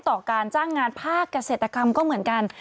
การจ้างงานภาคเกษตรกรรมก็เหมือนกัน